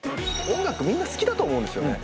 音楽みんな好きだと思うんですよね。